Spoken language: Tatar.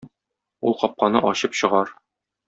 Ул капканы ачып чыгар.